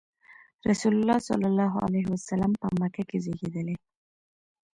رسول الله ﷺ په مکه کې زېږېدلی.